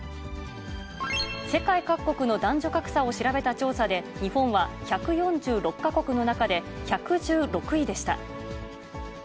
世界各国の男女格差を調べた調査で、日本は１４６か国の中で１１６位でした。